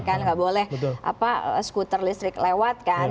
kenapa boleh skuter listrik lewat kan